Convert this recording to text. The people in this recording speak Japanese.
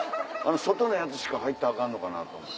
外のやつしか入ったらアカンのかなと思って。